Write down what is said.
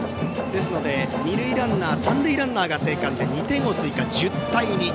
ですので、二塁ランナーと三塁ランナーが生還で２点を追加、１０対２。